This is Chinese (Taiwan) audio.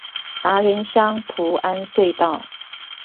達仁鄉菩安隧道